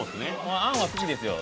あんは好きですよ